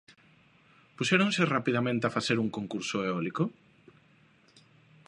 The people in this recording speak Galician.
¿Puxéronse rapidamente a facer un concurso eólico?